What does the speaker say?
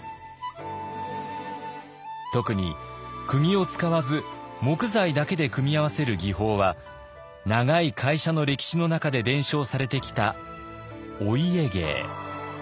特にくぎを使わず木材だけで組み合わせる技法は長い会社の歴史の中で伝承されてきたお家芸。